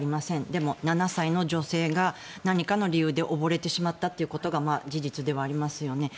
でも、７歳の女性が何かの理由で溺れてしまったということが事実ではありますよね。